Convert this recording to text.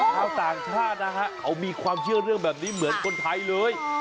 ชาวต่างชาตินะฮะเขามีความเชื่อเรื่องแบบนี้เหมือนคนไทยเลย